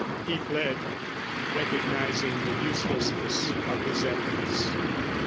... He fled, recognizing the uselessness of his efforts.